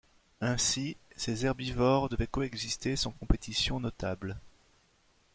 Ainsi ces herbivores devaient coexister sans compétition notable.